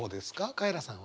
カエラさんは？